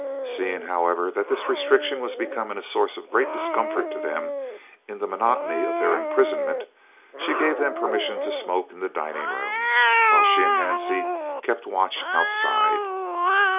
Seeing, however, that this restriction was becoming a source of great discomfort to them in the monotony of their imprisonment, she gave them permission to smoke in the dining room while she and Hansie kept watch outside.